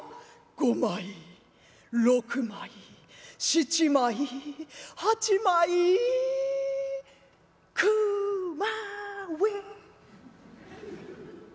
『５枚６枚７枚８枚９枚』」。